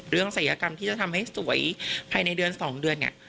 ศัยกรรมที่จะทำให้สวยภายในเดือน๒เดือนเนี่ย